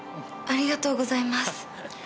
ありがとうございます。